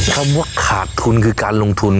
คำว่าขาดทุนคือการลงทุน